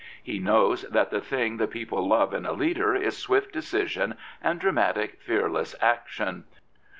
He knows that the thing the people love in a leader is swift decision and dramatic, fearless action.